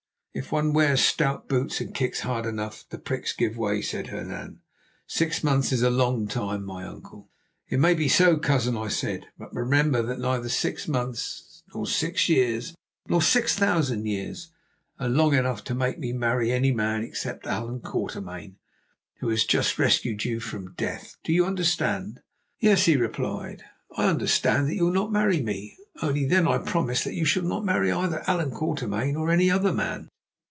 "'If one wears stout boots and kicks hard enough, the pricks give way,' said Hernan. 'Six months is a long time, my uncle.' "'It may be so, cousin,' I said; 'but remember that neither six months nor six years, nor six thousand years, are long enough to make me marry any man except Allan Quatermain, who has just rescued you from death. Do you understand?' "'Yes,' he replied, 'I understand that you will not marry me. Only then I promise that you shall not marry either Allan Quatermain or any other man.